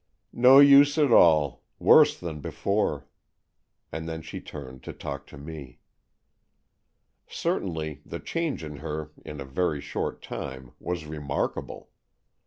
No use at all. Worse than before." And then she turned to talk to me. Certainly, the change in her in a very short time was remarkable.